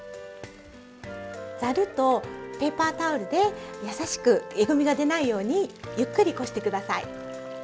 ざるとペーパータオルで優しくえぐみが出ないようにゆっくりこして下さい。